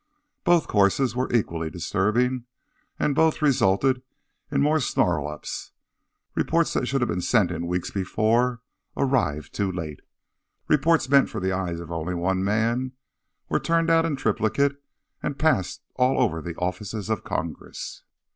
Both courses were equally disturbing, and both resulted in more snarl ups. Reports that should have been sent in weeks before arrived too late; reports meant for the eyes of only one man were turned out in triplicate and passed all over the offices of Congress.